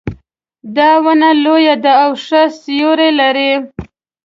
دا ونه لویه ده او ښه سیوري لري